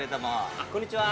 あっ、こんにちは。